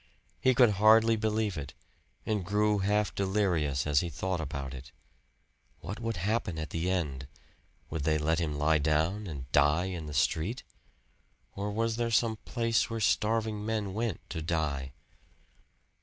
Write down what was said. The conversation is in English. He could hardly believe it, and grew half delirious as he thought about it. What would happen at the end? Would they let him lie down and die in the street? Or was there some place where starving men went to die?